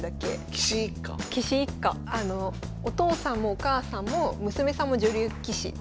お父さんもお母さんも娘さんも女流棋士。